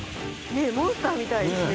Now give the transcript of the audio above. モンスターみたいですね。